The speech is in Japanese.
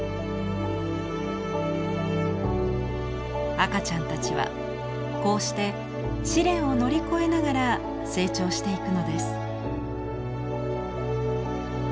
赤ちゃんたちはこうして試練を乗り越えながら成長していくのです。